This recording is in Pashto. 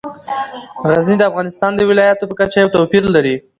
غزني د افغانستان د ولایاتو په کچه یو توپیر لري.